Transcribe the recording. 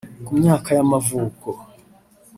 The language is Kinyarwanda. Ku myaka y’amavuko